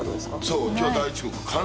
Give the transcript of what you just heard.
そう。